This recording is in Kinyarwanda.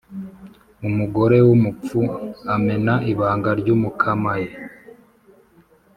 Umugore w’umupfu amena ibanga ry’umukamaye.